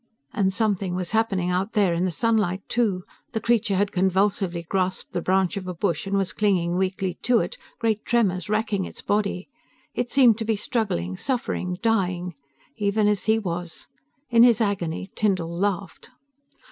And something was happening out there in the sunlight too. The creature had convulsively grasped the branch of a bush and was clinging weakly to it, great tremors wracking its body. It seemed to be struggling, suffering, dying ... even as he was. In his agony, Tyndall laughed.